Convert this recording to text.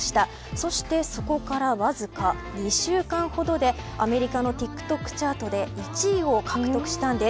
そしてそこからわずか２週間ほどでアメリカのＴｉｋＴｏｋチャートで１位を獲得したんです。